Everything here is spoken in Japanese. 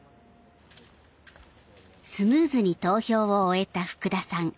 スムーズに投票を終えた福田さん。